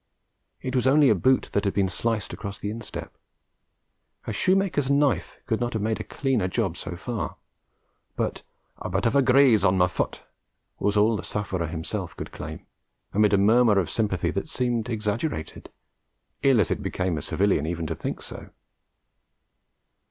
It was only a boot that had been sliced across the instep. A shoemaker's knife could not have made a cleaner job so far; but 'a bit graze on ma fut' was all the sufferer himself could claim, amid a murmur of sympathy that seemed exaggerated, ill as it became a civilian even to think so.